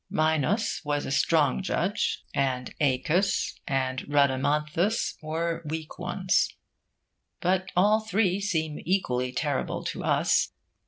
Minos was a strong judge, and Aeacus and Rhadamanthus were weak ones. But all three seem equally terrible to us.